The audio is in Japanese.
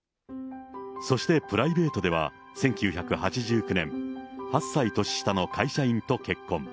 そしてプライベートでは１９８９年、８歳年下の会社員と結婚。